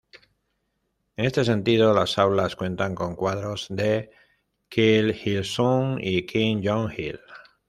En ese sentido, las aulas cuentan con cuadros de Kim Il-sung y Kim Jong-il.